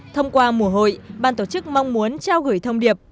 thông qua mùa hội ban tổ chức mong muốn trao gửi thông điệp